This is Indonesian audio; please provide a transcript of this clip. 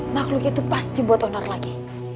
makhluk itu pasti buat onar lagi